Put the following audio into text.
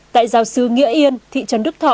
tại giáo sứ nghĩa yên thị trấn đức thọ